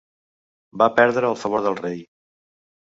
Va perdre el favor del rei.